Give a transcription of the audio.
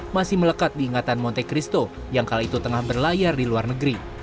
masih melekat diingatan monte christo yang kala itu tengah berlayar di luar negeri